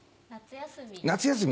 夏休み。